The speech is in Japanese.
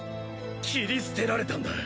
切り捨てられたんだ！